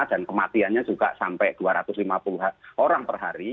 dan kematiannya juga sampai dua ratus lima puluh orang per hari